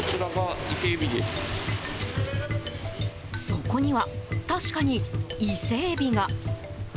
そこには、確かにイセエビが。